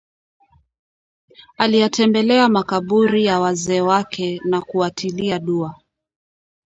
Aliyatembelea makaburi ya wazee wake na kuwatilia dua